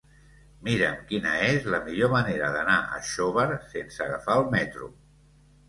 Mira'm quina és la millor manera d'anar a Xóvar sense agafar el metro.